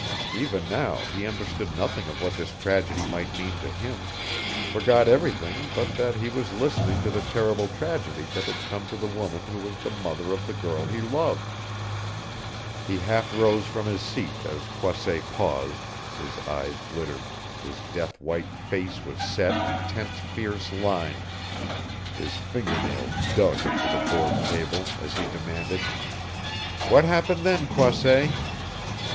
Even now he understood nothing of what this tragedy might mean to him forgot everything but that he was listening to the terrible tragedy that had come to the woman who was the mother of the girl he loved. He half rose from his seat as Croisset paused; his eyes glittered, his death white face was set in tense fierce lines, his finger nails dug into the board table, as he demanded, "What happened then, Croisset?"